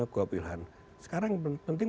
kogak wilhan sekarang penting